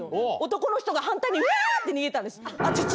男の人が反対にうわって逃げたんです。